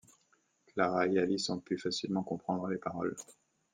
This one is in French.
Clara et Alice ont pu facilement comprendre les paroles.